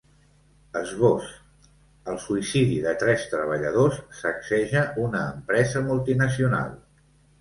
Esbós: El suïcidi de tres treballadors sacseja una empresa multinacional.